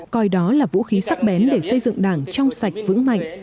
coi đó là vũ khí sắc bén để xây dựng đảng trong sạch vững mạnh